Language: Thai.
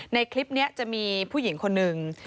ในคลิปนี้จะมีผู้หญิงคนหนึ่ง